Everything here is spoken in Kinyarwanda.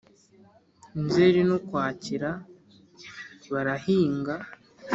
Nzeri n'Ukwakira barahinga